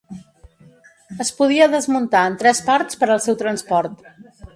Es podia desmuntar en tres parts per al seu transport.